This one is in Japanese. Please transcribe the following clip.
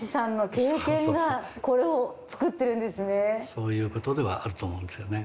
そういうことではあると思うんですよね。